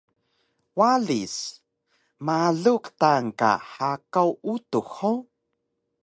Walis: Malu qtaan ka hakaw utux hug?